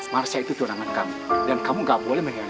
mereka udah lama gak ketemu